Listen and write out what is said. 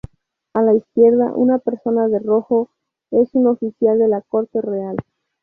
A la izquierda, una persona de rojo es un oficial de la corte real.